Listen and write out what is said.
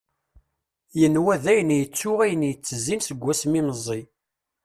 Yenwa dayen yettu ayen i yettezzin seg wasmi meẓẓi;